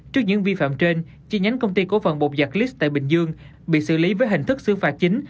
trước những vi phạm trên chi nhánh công ty cổ phần bột giặc lis tại bình dương bị xử lý với hình thức xử phạt chính